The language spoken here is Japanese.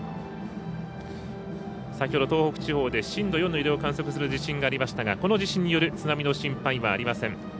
先ほど、東北地方で震度４の揺れを観測する地震がありましたがこの地震による津波の心配はありません。